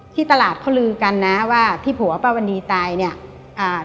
ที่ตลาดเขาลือกันนะว่าที่ผัวป้าวันนี้ตายเนี่ยอ่า